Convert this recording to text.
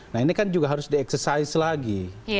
nah ini kan juga harus di exercise lagi